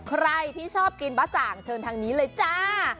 ใครที่ชอบกินบะจ่างเชิญทางนี้เลยจ้า